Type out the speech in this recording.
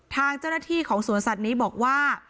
ทางเจ้าหน้าที่ของสวนสัตว์นี้บอกว่า